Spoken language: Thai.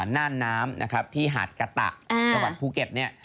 น่าน้ำที่หาดกะตะจังหวัดภูเก็ต